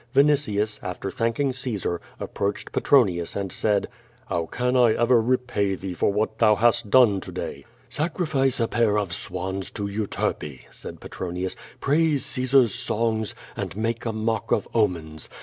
Vinitius, after thanking Caesar, approached Petronius and said: "How can I ever repay thee for what thou hast done to dayr "Sacrifice a pair of swans to Euterpe, said Petronius, "praise Caesar*s songs, and make a mock of omens.